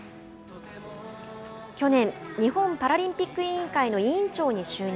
去年日本パラリンピック委員会の委員長に就任。